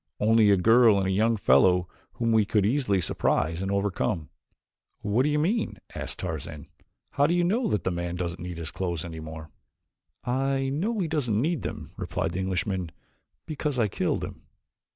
Only a girl and a young fellow whom we could easily surprise and overcome." "What do you mean?" asked Tarzan. "How do you know that the man doesn't need his clothes any more." "I know he doesn't need them," replied the Englishman, "because I killed him."